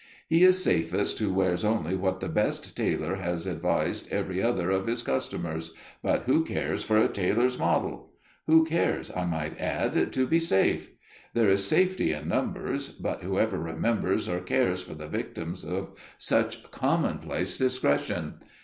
He is safest who wears only what the best tailor has advised every other of his customers, but who cares for a tailor's model? Who cares, I might add, to be safe? There is safety in numbers, but who ever remembers or cares for the victims of such commonplace discretion?